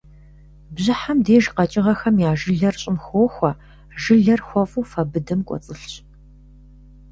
Бжьыхьэм деж къэкӏыгъэхэм я жылэр щӏым хохуэ, жылэр хуэфӏу фэ быдэм кӏуэцӏылъщ.